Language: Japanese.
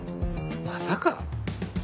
まさか。